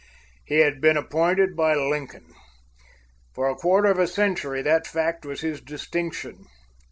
He had been appointed by Lincoln. For a quarter of a century that fact was his distinction.